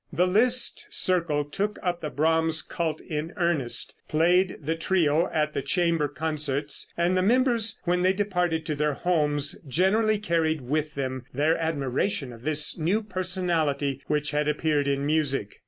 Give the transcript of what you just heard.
The Liszt circle took up the Brahms cult in earnest, played the trio at the chamber concerts, and the members when they departed to their homes generally carried with them their admiration of this new personality which had appeared in music.